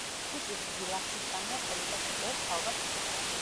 ფიჭვის დიდი ლაფნიჭამია წელიწადში ერთ თაობას იძლევა.